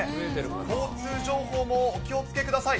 交通情報もお気をつけください。